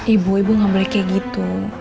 ibu ibu gak boleh kaya gitu